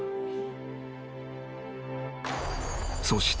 そして。